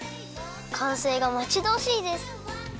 かんせいがまちどおしいです！